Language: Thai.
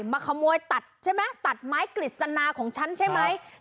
มาขโมยตัดใช่ไหมตัดไม้กฤษณาของฉันใช่ไหม